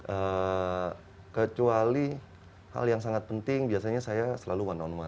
eee kecuali hal yang sangat penting biasanya saya selalu one on one